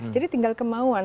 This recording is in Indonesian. jadi tinggal kemauan